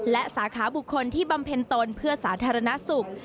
และสาขาบุคคลที่บำเพ็ญตนเพื่อสาธารณสุข